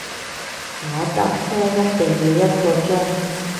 我搭車一定要一個鐘